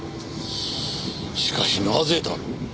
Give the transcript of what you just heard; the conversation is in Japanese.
しかしなぜだろう？